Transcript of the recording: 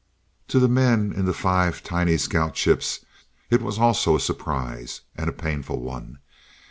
To the men in the five tiny scout ships, it was also a surprise, and a painful one.